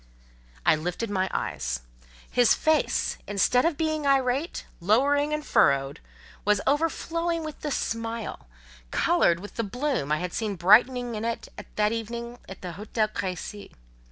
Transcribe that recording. I lifted my eyes: his face, instead of being irate, lowering, and furrowed, was overflowing with the smile, coloured with the bloom I had seen brightening it that evening at the Hotel Crécy.